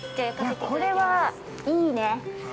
◆これはいいね！